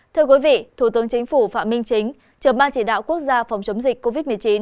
thưa quý vị thủ tướng chính phủ phạm minh chính trưởng ban chỉ đạo quốc gia phòng chống dịch covid một mươi chín